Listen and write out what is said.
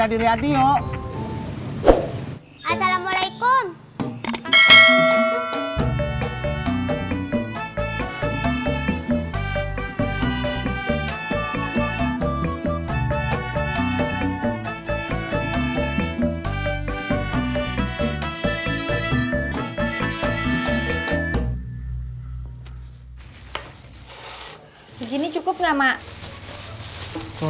kurang segini mak